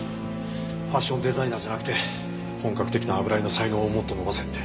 ファッションデザイナーじゃなくて本格的な油絵の才能をもっと伸ばせって。